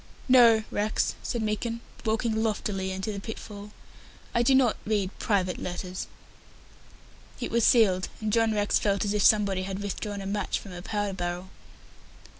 "No, Rex," said Meekin, walking loftily into the pitfall; "I do not read private letters." It was sealed, and John Rex felt as if somebody had withdrawn a match from a powder barrel.